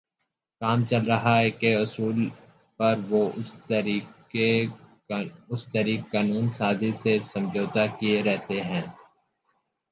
کام چل رہا ہے کے اصول پر وہ اس طریقِ قانون سازی سے سمجھوتاکیے رہتے ہیں